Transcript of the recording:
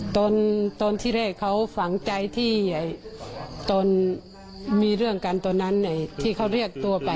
ตอนที่แรกเขาฝังใจที่ตอนมีเรื่องกันตอนนั้นที่เขาเรียกตัวไป